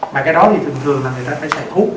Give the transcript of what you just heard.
mà cái đó thì thường thường là người ta phải thuốc